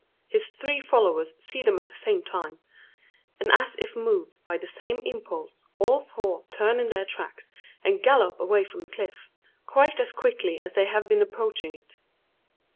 His three followers see them at the same time; and as if moved by the same impulse, all four turn in their tracks, and gallop away from the cliff quite as quickly as they have been approaching it.